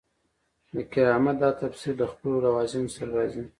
د کرامت دا تفسیر له خپلو لوازمو سره راځي.